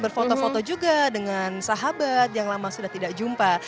berfoto foto juga dengan sahabat yang lama sudah tidak jumpa